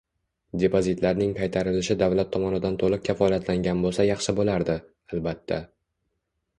Depozitlarning qaytarilishi davlat tomonidan to'liq kafolatlangan bo'lsa yaxshi bo'lardi, albatta